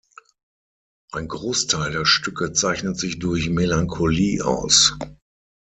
Ein Großteil der Stücke zeichnet sich durch Melancholie aus.